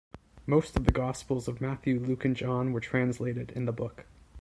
Most of the Gospels of Matthew, Luke and John were translated in the book.